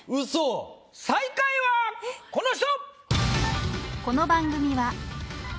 最下位はこの人！